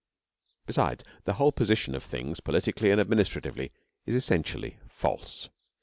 Besides, the whole position of things, politically and administratively, is essentially false.